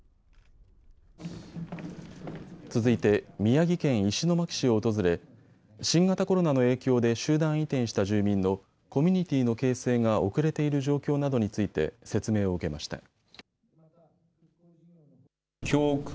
続いて宮城県石巻市を訪れ、新型コロナの影響で集団移転した住民のコミュニティーの形成が遅れている状況などについて説明を受けました。